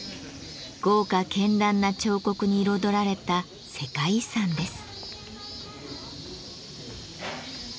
豪華けんらんな彫刻に彩られた世界遺産です。